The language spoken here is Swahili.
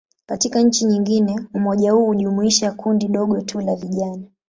Katika nchi nyingine, umoja huu hujumuisha kundi dogo tu la vijana.